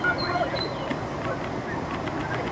• نقادان پرې اوږد بحث کوي ډېر,